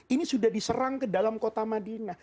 ini sudah diserang ke dalam kota madinah